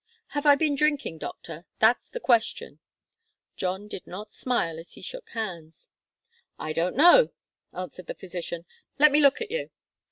"Have I been drinking, doctor? That's the question." John did not smile as he shook hands. "I don't know," answered the physician. "Let me look at you."